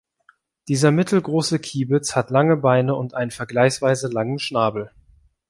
Dieser mittelgroße Kiebitz hat lange Beine und einen vergleichsweise langen Schnabel.